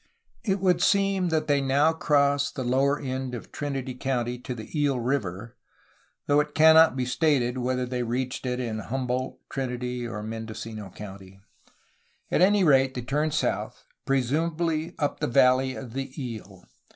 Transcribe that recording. It would seem that they now crossed the lower end of Trinity County to the Eel River, though it cannot be stated whether they reached it in Humboldt, Trinity, or Mendocino County. At any rate they turned south, presumably up the valley of the Eel.